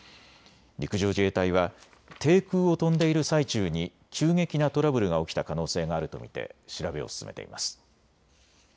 陸上自衛隊は低空を飛んでいる最中に急激なトラブルが起きた可能性があると見て調べを進めています。